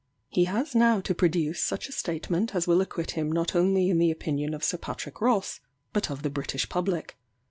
He has now to produce such a statement as will acquit him not only in the opinion of Sir Patrick Ross, but of the British public.